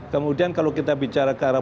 kemudian kalau kita bicara ke arah